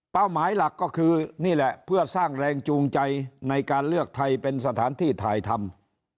หมายหลักก็คือนี่แหละเพื่อสร้างแรงจูงใจในการเลือกไทยเป็นสถานที่ถ่ายทำ